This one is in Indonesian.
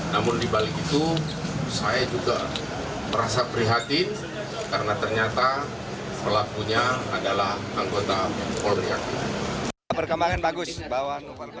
namun dibalik itu saya juga merasa prihatin karena ternyata pelakunya adalah anggota polri aktif